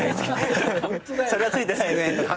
それはついてないですけど。